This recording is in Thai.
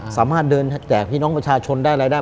สามารถเดินแจกพี่น้องประชาชนได้รายได้